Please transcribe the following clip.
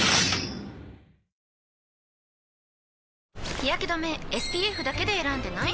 日やけ止めＳＰＦだけで選んでない？